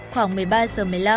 khoảng một mươi ba giờ một mươi năm